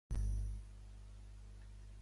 Era dedicada a la memòria d'Ernest Rutherford.